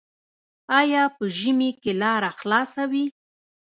آیا په ژمي کې لاره خلاصه وي؟